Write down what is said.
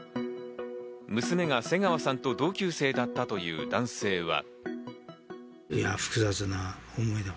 娘が瀬川さんと同級生だったという男性は。